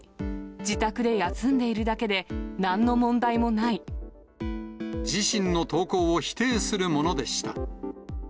自宅で休んでいるだけで、なんの自身の投稿を否定するものでした。